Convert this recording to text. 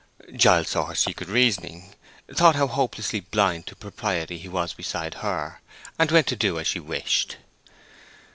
Giles saw her secret reasoning, thought how hopelessly blind to propriety he was beside her, and went to do as she wished.